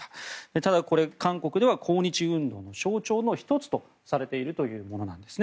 ただ、これ韓国では抗日運動の象徴の１つとされているものなんですね。